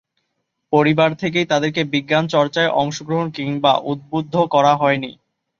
পরিবার থেকেই তাদেরকে বিজ্ঞান চর্চায় অংশগ্রহণ কিংবা উদ্বুদ্ধ করা হয়নি।